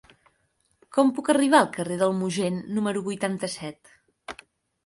Com puc arribar al carrer del Mogent número vuitanta-set?